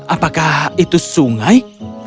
apakah itu sungai